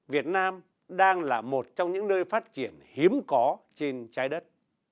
việt nam đang là một trong những nơi phát triển hiếm có trên trái đất